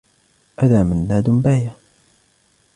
أذى منّاد باية.